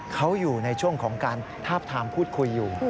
เขาอยู่ในช่วงของการทาบทามพูดคุยอยู่